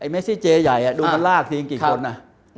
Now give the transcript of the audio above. เมซี่เจใหญ่ดูมันลากทีกี่คนอ่ะ